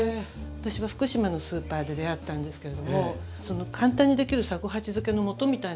私は福島のスーパーで出会ったんですけれども簡単にできる三五八漬けのもとみたいなのも売られてるんですよ。